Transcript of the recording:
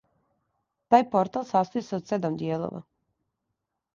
Тај портал састоји се од седам дијелова.